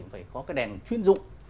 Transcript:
phải có cái đèn chuyên dụng